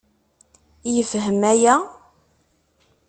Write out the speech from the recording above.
Yefhem aya?